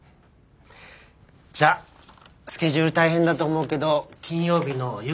じゃあスケジュール大変だと思うけど金曜日の夕方までによろしくね。